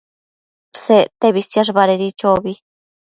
Sectebi siash badedi chobi